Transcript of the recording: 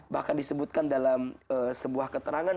bahkan disebutkan dalam sebuah keterangan